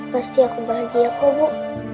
pasti aku bahagia kok bu